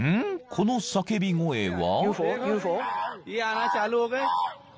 この叫び声は？］